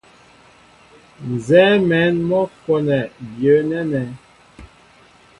Nzɛ́ɛ́ mɛ̌n mɔ́ kwɔ́nɛ byə̌ nɛ́nɛ́.